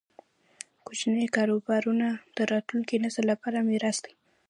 کوچني کاروبارونه د راتلونکي نسل لپاره میراث دی.